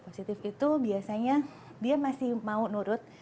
positif itu biasanya dia masih mau nurut